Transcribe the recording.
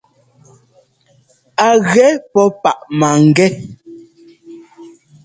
A gɛ pó páʼ máŋgɛ́.